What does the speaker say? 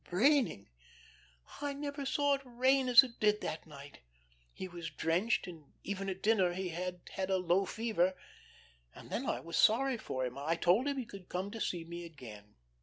Raining! I never saw it rain as it did that night. He was drenched, and even at dinner he had had a low fever. And then I was sorry for him. I told him he could come to see me again.